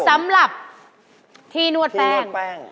สำหรับที่นวดแป้ง